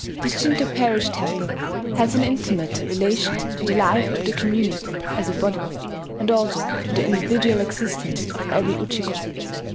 The Shinto parish temple has an intimate relation to the life of the community as a body, and also to the individual existence of every Ujiko.